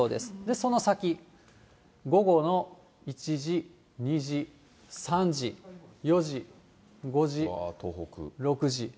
その先、午後の１時、２時、３時、４時、５時、６時。